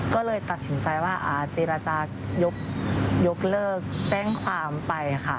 ก็เลยตัดสินใจว่าเจรจายกเลิกแจ้งความไปค่ะ